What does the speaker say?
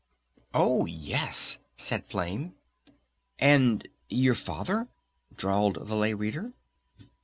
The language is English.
"Oh, yes!" said Flame. "And your Father?" drawled the Lay Reader.